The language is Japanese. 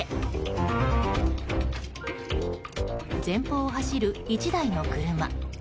前方を走る１台の車。